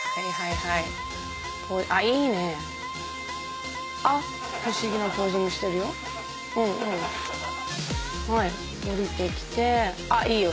はい下りてきてあっいいよ。